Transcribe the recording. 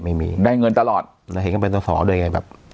ไม่มีได้เงินตลอดเราเห็นเขาเป็นตัวสองด้วยไงแบบ